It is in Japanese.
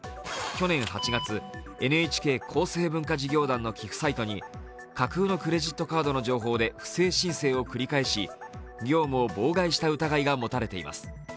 去年８月、ＮＨＫ厚生文化事業団の寄附サイトに架空のクレジットカードの情報で不正申請を繰り返し業務を妨害した疑いが持たれています。